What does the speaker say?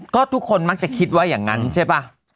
ก็ทุกคนมักจะคิดว่าอย่างนั้นใช่ป่ะ